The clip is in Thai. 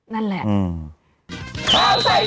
นั่นแหละ